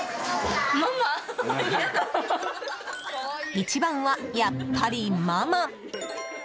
一番はやっぱりママ！